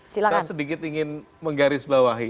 saya ingin menggarisbawahi